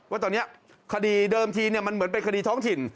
ว่าตอนนี้คดีเดิมทีมันเหมือนเป็นคดีท้องถิ่น